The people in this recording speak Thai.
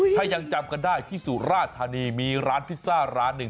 ถ้ายังจำกันได้ที่สุราธานีมีร้านพิซซ่าร้านหนึ่ง